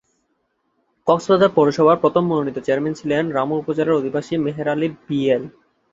কক্সবাজার পৌরসভার প্রথম মনোনীত চেয়ারম্যান ছিলেন রামু উপজেলার অধিবাসী মেহের আলী বিএল।